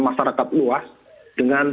masyarakat luas dengan